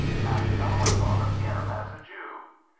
And no one thought of him as a Jew.